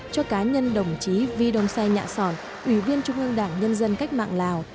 cho cá nhân đồng chí vi đông sai nhạ sòn ủy viên trung ương đảng nhân dân cách mạng lào